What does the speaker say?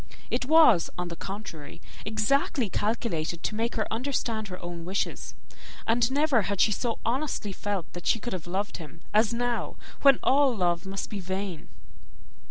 It was, on the contrary, exactly calculated to make her understand her own wishes; and never had she so honestly felt that she could have loved him, as now, when all love must be vain.